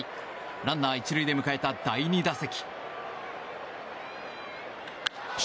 ランナー１塁で迎えた第２打席。